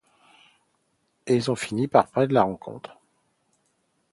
Et ils ont fini par perdre la rencontre.